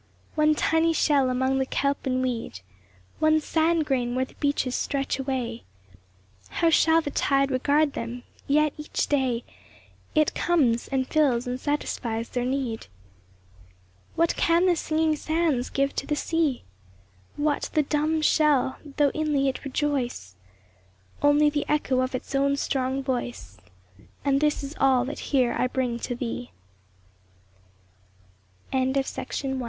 One tiny shell among the kelp and weed, One sand grain where the beaches stretch away, How shall the tide regard them ? Yet each day It comes, and fills and satisfies their need. What can the singing sands give to the Sea ? What the dumb shell, though inly it rejoice ? Only the echo of its own strong voice ; And this is all that here I bring to thee. A BENEDICTION.